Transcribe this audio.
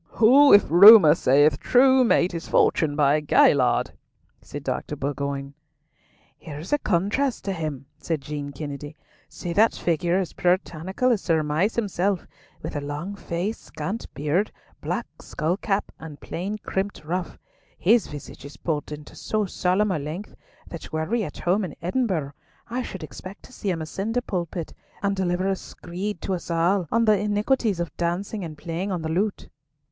"Who, if rumour saith true, made his fortune by a galliard," said Dr. Bourgoin. "Here is a contrast to him," said Jean Kennedy. "See that figure, as puritanical as Sir Amias himself, with the long face, scant beard, black skull cap, and plain crimped ruff. His visage is pulled into so solemn a length that were we at home in Edinburgh, I should expect to see him ascend a pulpit, and deliver a screed to us all on the iniquities of dancing and playing on the lute!"